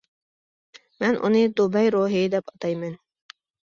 مەن ئۇنى دۇبەي روھى دەپ ئاتايمەن.